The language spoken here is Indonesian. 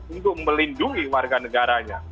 untuk melindungi warga negaranya